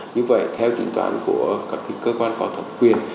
như vậy theo tính toán của các cơ quan có thẩm quyền